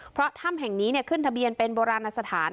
เพราะถ้ำแห่งนี้ขึ้นทะเบียนเป็นโบราณสถาน